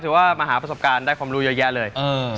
ว่ามาหาประสบการณ์ได้ความรู้เยอะแยะเลย